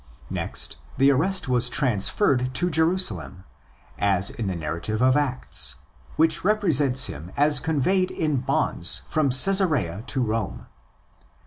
Next, the arrest was transferred to Jerusalem, as in the narrative of Acts, which represents him as conveyed in bonds from Czesarea to Rome.